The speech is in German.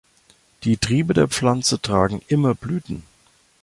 Die Triebe der Pflanze tragen immer Blüten.